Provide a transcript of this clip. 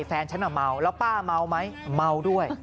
แฟนฉันเมาแล้วป้าเมาไหมเมาด้วย